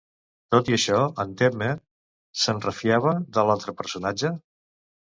Tot i això, en Temme se'n refiava de l'altre personatge?